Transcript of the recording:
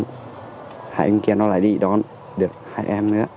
hai anh kia nó lại đi đón được hai em nữa